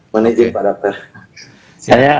mana sih pak dokter